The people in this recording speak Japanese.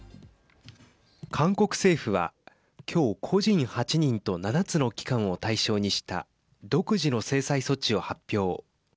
韓国政府は今日、個人８人と７つの機関を対象にした独自の制裁措置を発表。